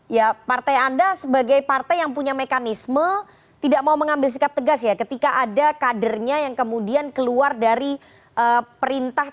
ya partai anda sebagai partai yang punya mekanisme tidak mau mengambil sikap tegas ya ketika ada kadernya yang kemudian keluar dari perintah